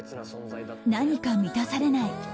何か満たされない。